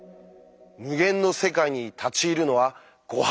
無限の世界に立ち入るのはご法度。